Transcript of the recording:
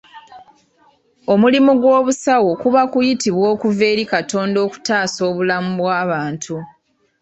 Omulimu gw'obusawo kuba kuyitibwa okuva eri Katonda okutaasa obulamu bw'abantu.